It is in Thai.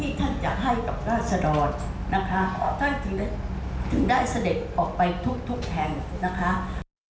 ท่านถึงได้เสด็จออกไปทุกแห่ง